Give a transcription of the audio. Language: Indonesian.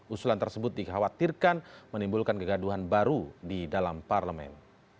usulan tersebut dikhawatirkan menimbulkan kegaduhan baru di dalam parlemen